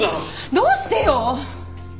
どうしてよ！